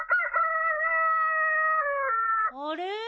あれ？